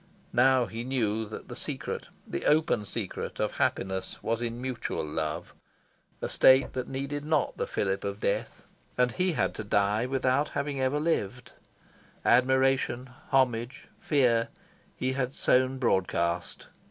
Now he knew that the secret, the open secret, of happiness was in mutual love a state that needed not the fillip of death. And he had to die without having ever lived. Admiration, homage, fear, he had sown broadcast.